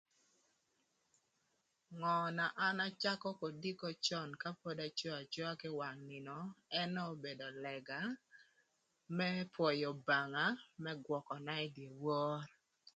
Ngö na an acakö kodiko cön ka pod aco acoa kï wang nïnö ënë obedo lëga më pwöyö Obanga më gwököna ï dye wor.